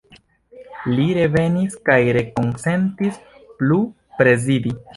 Li revenis kaj rekonsentis plu prezidi.